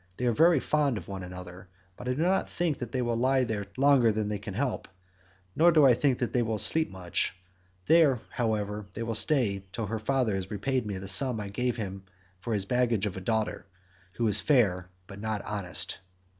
They are very fond of one another, but I do not think they will lie there longer than they can help, nor do I think that they will sleep much; there, however, they shall stay till her father has repaid me the sum I gave him for his baggage of a daughter, who is fair but not honest."